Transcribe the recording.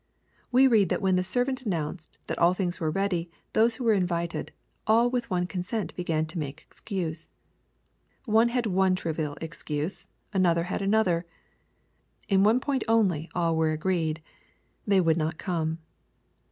We read that when the servant announced that all things were ready, those who were invited " all with one consent began to make excuse." One had one trivial excuse, and another had another. In one point only all were agreed. They would not come.